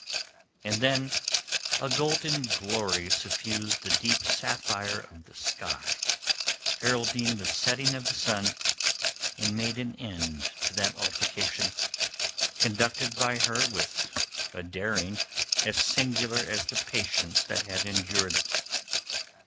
And then a golden glory suffused the deep sapphire of the sky heralding the setting of the sun and made an end of that altercation, conducted by her with a daring as singular as the patience that had endured it.